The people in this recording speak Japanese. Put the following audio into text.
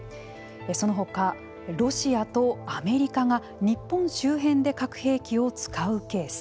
その他、ロシアとアメリカが日本周辺で核兵器を使うケース。